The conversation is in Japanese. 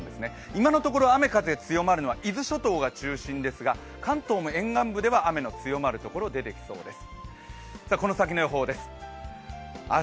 今のところ雨・風強まるのは伊豆諸島が中心ですが、関東の沿岸部では雨の強まるところが出てきそうです。